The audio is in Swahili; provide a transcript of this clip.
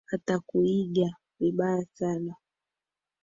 Atakuiga vibaya sana.